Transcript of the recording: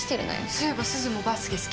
そういえばすずもバスケ好きだよね？